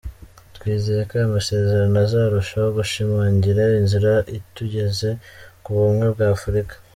Twizeyeko aya masezerano azarushaho gushimangira inzira itugeza ku bumwe bwa Afurika.